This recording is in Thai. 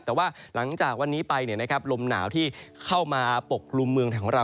แต่ว่าหลังจากวันนี้ไปลมหนาวที่เข้ามาปกกลุ่มเมืองของเรา